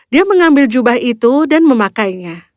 dia mengambil jubah itu dan memakainya